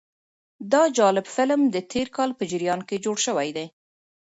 دا جالب فلم د تېر کال په جریان کې جوړ شوی دی.